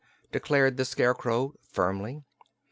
declared the Scarecrow, firmly.